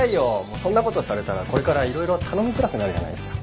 そんなことされたらこれからいろいろ頼みづらくなるじゃないですか。